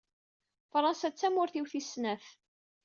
Fransa d tamurt iw tis snat.